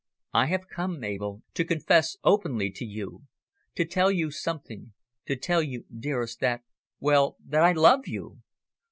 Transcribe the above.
I have come, Mabel, to confess openly to you, to tell you something to tell you, dearest, that well, that I love you!"